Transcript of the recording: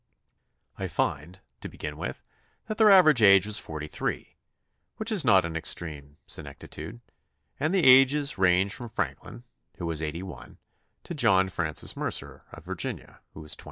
I find, to begin with, that their average age was 43, which is not an extreme senectitude, and the ages range from Franklin, who was 81, to John Francis Mercer, of Virginia, who was 28.